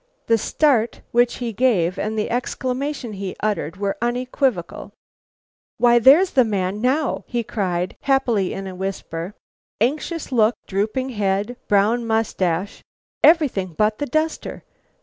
The start which he gave and the exclamation he uttered were unequivocal. 'Why, there's the man now!' he cried, happily in a whisper. 'Anxious look, drooping head, brown moustache, everything but the duster.'